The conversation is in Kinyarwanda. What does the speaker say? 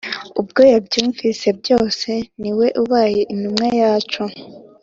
ubwo yabyumvise byose ni we ubaye intumwa yacu